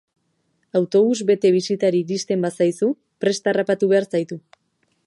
Autobus bete bisitari iristen bazaizu, prest harrapatu behar zaitu.